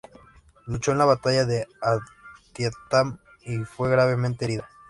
Luchó en la Batalla de Antietam y fue gravemente herida.